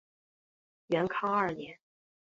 元康二年。